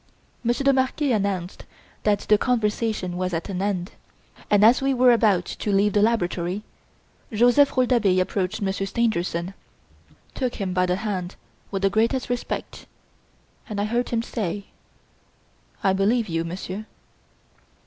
Monsieur de Marquet announced that the conversation was at an end, and as we were about to leave the laboratory, Joseph Rouletabille approached Monsieur Stangerson, took him by the hand with the greatest respect, and I heard him say: "I believe you, Monsieur."